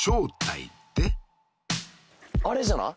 あれじゃない？